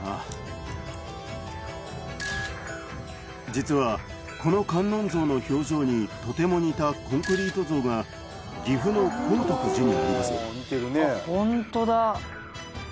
実はこの観音像の表情にとても似たコンクリート像が岐阜の高徳寺にあります。